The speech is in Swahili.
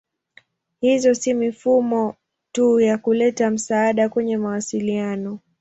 Hizo si mifumo tu ya kuleta msaada kwenye mawasiliano.